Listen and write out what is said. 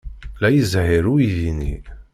La izehher uydi-nni.